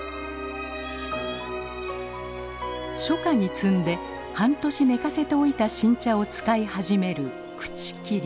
初夏に摘んで半年寝かせておいた新茶を使い始める「口切り」。